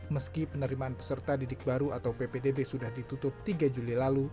meski penerimaan peserta didik baru atau ppdb sudah ditutup tiga juli lalu